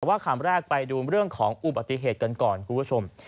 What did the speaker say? แต่ว่าคำแรกไปดูเรื่องของอุบัติเหตุกันก่อนคุณผู้ชม